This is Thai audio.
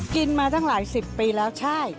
กินมาจังหลายสิบปีแล้วใช่